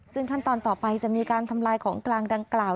ซึ่งขั้นตอนต่อไปจะมีการทำลายของกลางดังกล่าว